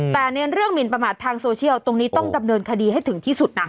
แต่ในเรื่องหมินประมาททางโซเชียลตรงนี้ต้องดำเนินคดีให้ถึงที่สุดนะ